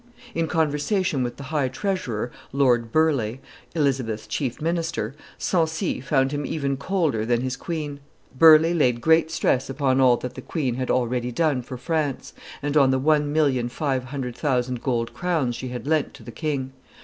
In conversation with the high treasurer, Lord Burleigh, Elizabeth's chief minister, Sancy found him even colder than his queen; Burleigh laid great stress upon all that the queen had already done for France, and on the one million five hundred thousand gold crowns she had lent to the king.